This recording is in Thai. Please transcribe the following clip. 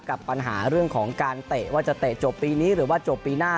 กับปัญหาเรื่องของการเตะว่าจะเตะจบปีนี้หรือว่าจบปีหน้า